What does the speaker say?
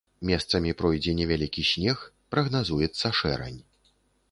Месцамі пройдзе невялікі снег, прагназуецца шэрань.